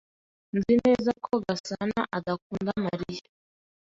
Nzi neza ko Gasanaadakunda Mariya.